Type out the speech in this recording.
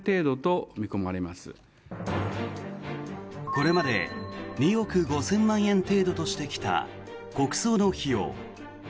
これまで２億５０００万円程度としてきた国葬の費用。